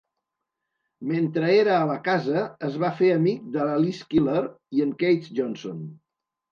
Mentre era a la casa, es va fer amic de l'Alice Keeler i el Keith Johnson.